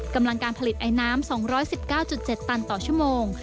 กำลังการผลิตไอน้ำ๒๑๙๗ตันต่อชั่วโมง